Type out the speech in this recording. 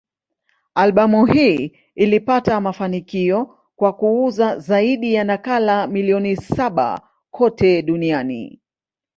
Albamu hii ilipata mafanikio kwa kuuza zaidi ya nakala milioni saba kote duniani.